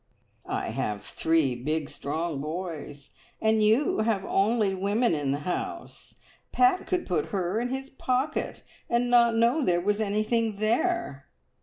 "I have three big strong boys, and you have only women in the house. Pat could put her in his pocket, and not know there was anything there!"